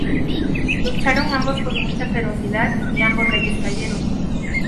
Lucharon ambos con mucha ferocidad, y ambos reyes cayeron.